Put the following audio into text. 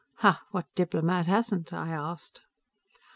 "Ha! What diplomat hasn't?" I asked.